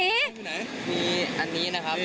มีอันนี้นะครับ